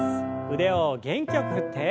腕を元気よく振って。